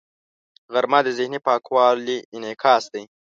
غرمه د ذهني پاکوالي انعکاس دی